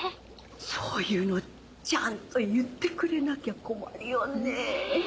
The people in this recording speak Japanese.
そういうのちゃんと言ってくれなきゃ困るよね。ね！